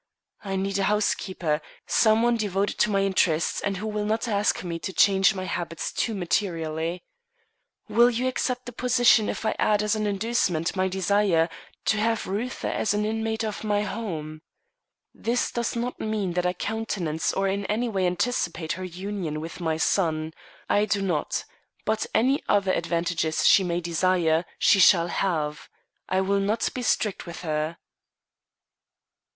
I need a housekeeper; some one devoted to my interests and who will not ask me to change my habits too materially. Will you accept the position, if I add as an inducement my desire to have Reuther also as an inmate of my home? This does not mean that I countenance or in any way anticipate her union with my son. I do not; but any other advantages she may desire, she shall have. I will not be strict with her."